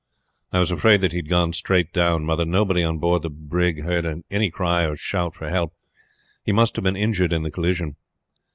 "I was afraid that he had gone straight down, mother. Nobody on board the brig heard any cry or shout for help. He must have been injured in the collision."